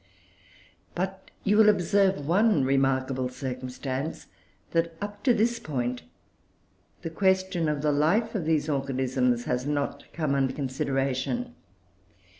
But you will observe one remarkable circumstance, that, up to this point, the question of the life of these organisms has not come under consideration.